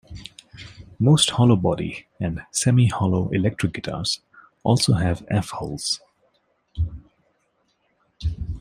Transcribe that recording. Most hollowbody and semi-hollow electric guitars also have F-holes.